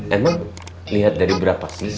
emang lihat dari berapa sih